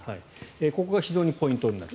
ここが非常にポイントになる。